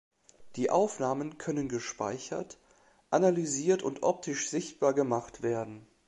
Die Aufnahmen können gespeichert, analysiert und optisch sichtbar gemacht werden.